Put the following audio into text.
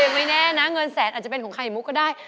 ไม่แน่นะเงินแสนอาจจะเป็นของไข่มุกก็ได้